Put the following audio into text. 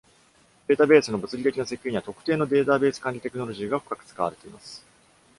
データベースの物理的な設計には、特定のデータベース管理テクノロジーが深く使われています。